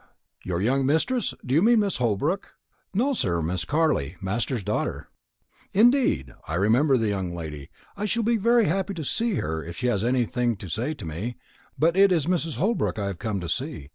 "Your young mistress; do you mean Mrs. Holbrook?" "No, sir; Miss Carley, master's daughter." "Indeed! I remember the young lady; I shall be very happy to see her if she has anything to say to me; but it is Mrs. Holbrook I have come to see.